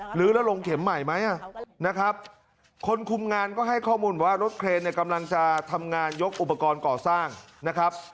หรือแล้วลงเข็มใหม่ไหมนะครับคนคุมงานก็ให้ข้อมูลว่ารถเครนเนี่ยกำลังจะทำงานยกอุปกรณ์ก่อสร้างนะครับ